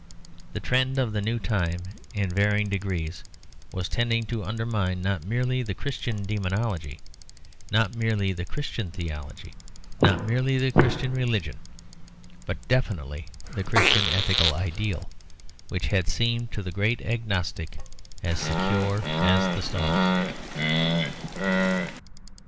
The trend of the new time, in very varying degrees, was tending to undermine, not merely the Christian demonology, not merely the Christian theology, not merely the Christian religion, but definitely the Christian ethical ideal, which had seemed to the great agnostic as secure as the stars.